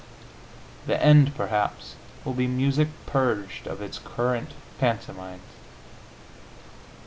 The end, perhaps, will be music purged of its current ptomaines.